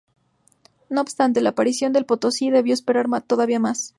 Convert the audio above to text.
No obstante, la aparición de "El Potosí" debió esperar todavía más.